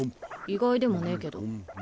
意外でもねぇけど。